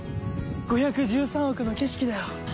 ５１３億の景色だよ。